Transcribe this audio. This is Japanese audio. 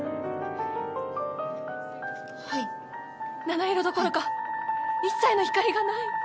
七色どころか一切の光がない